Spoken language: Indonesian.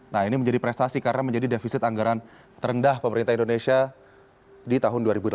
nah ini menjadi prestasi karena menjadi defisit anggaran terendah pemerintah indonesia di tahun dua ribu delapan belas